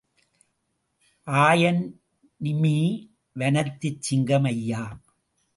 ஆயன், நிமீ வனத்துச் சிங்கம், ஐயா!